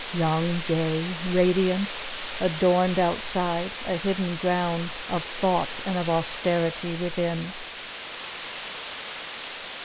young, gay, Radiant, adorned outside; a hidden ground Of thought and of austerity within.